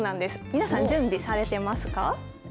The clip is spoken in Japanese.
皆さん、準備されてますか？